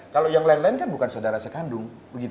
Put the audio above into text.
kalau yang lain lain kan bukan saudara sekandung